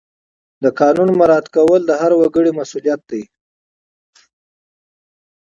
د قانون مراعات کول د هر وګړي مسؤلیت دی.